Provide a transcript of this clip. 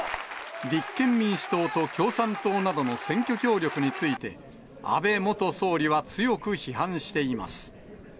立憲民主党と共産党などの選挙協力について、安倍元総理は強く批判しています。